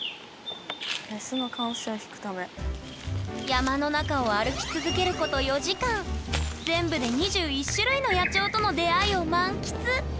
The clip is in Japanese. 山の中を歩き続けること４時間全部で２１種類の野鳥との出会いを満喫！